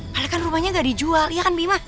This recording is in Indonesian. palingan rumahnya gak dijual iya kan bima